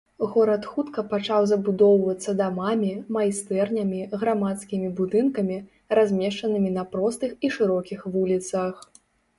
Горад хутка пачаў забудоўвацца дамамі, майстэрнямі, грамадскімі будынкамі, размешчанымі на простых і шырокіх вуліцах.